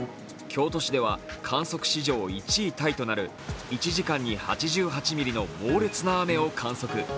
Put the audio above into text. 京都市では観測史上１位タイとなる１時間に８８ミリの猛烈な雨を観測。